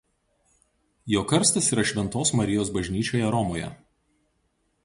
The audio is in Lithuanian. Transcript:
Jo karstas yra Šventos Marijos bažnyčioje Romoje.